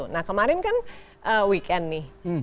nah kemarin kan weekend nih